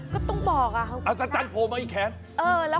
ก็ต้องบอกอะเค้าของกอาสัจรัฐโภมาอีกแขน